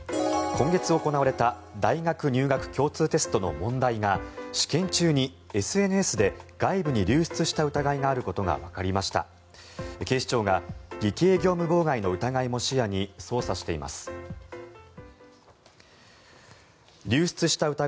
今月行われた大学入学共通テストの問題が試験中にＳＮＳで外部に流出した疑いがあることがわかりました。